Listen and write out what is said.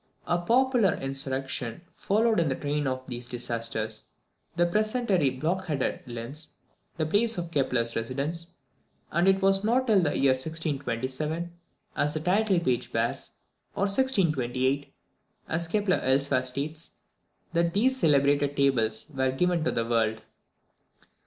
A popular insurrection followed in the train of these disasters. The peasantry blockaded Linz, the place of Kepler's residence, and it was not till the year 1627, as the title page bears, or 1628, as Kepler elsewhere states, that these celebrated Tables were given to the world.